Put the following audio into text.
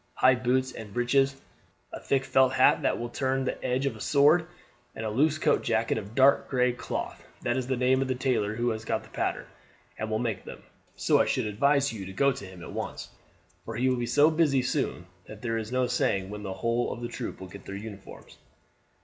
High boots and breeches, a thick felt hat that will turn the edge of a sword, and a loose coat jacket of dark gray cloth. That is the name of the tailor who has got the pattern, and will make them. So I should advise you to go to him at once, for he will be so busy soon that; there is no saying when the whole troop will get their uniforms."